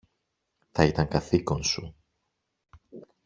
Θα ήταν καθήκον σου